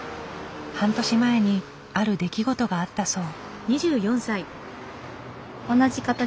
半年前にある出来事があったそう。